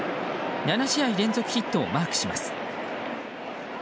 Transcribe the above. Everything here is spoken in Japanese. ７試合連続ヒットをマークします。